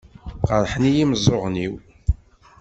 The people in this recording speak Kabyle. Qeṛḥen-iyi imeẓẓuɣen-iw.